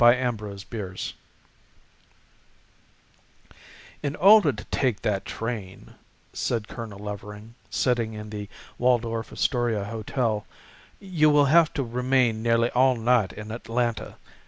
THE OTHER LODGERS "IN order to take that train," said Colonel Levering, sitting in the Waldorf Astoria hotel, "you will have to remain nearly all night in Atlanta.